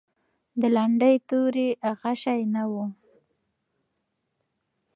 د لنډۍ توري غشی نه و.